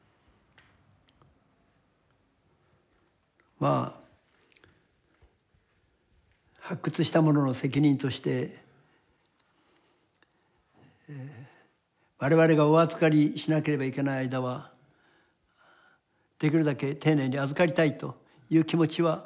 まあ発掘した者の責任として我々がお預かりしなければいけない間はできるだけ丁寧に預かりたいという気持ちはあるんですね。